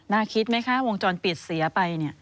น่าคิดไหมคะวงจรปิดเสียไปเนี่ย